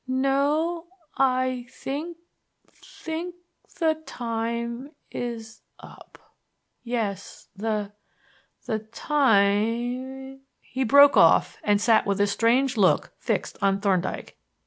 No I think think the time is up. Yes the the time " He broke off and sat with a strange look fixed on Thorndyke.